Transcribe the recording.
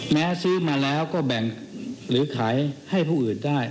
ซื้อมาแล้วก็แบ่งหรือขายให้ผู้อื่นได้